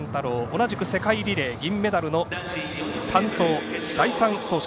同じく世界リレー銀メダルの第３走者。